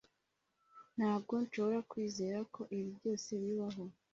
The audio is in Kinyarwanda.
ntabwo nshobora kwizera ko ibi byose bibaho